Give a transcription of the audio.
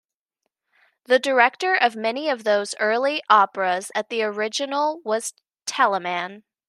The director of many of those early operas at the original was Telemann.